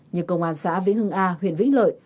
nhưng công an xã vĩnh hương a huyện vĩnh lợi